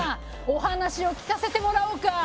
お話を聞かせてもらおうか！